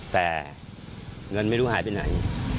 แต่เงินไม่รู้หายไปไหน